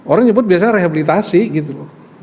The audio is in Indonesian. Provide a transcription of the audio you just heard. orang nyebut biasanya rehabilitasi gitu loh